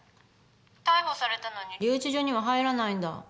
逮捕されたのに留置場には入らないんだ？